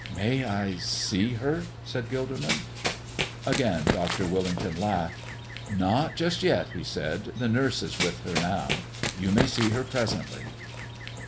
"May I see her?" said Gilderman. Again Dr. Willington laughed. "Not just yet," he said; "the nurse is with her now. You may see her presently."